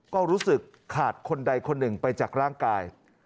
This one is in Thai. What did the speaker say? ก็รู้สึกขาดคนใดคนหนึ่งไปจากร่างกาย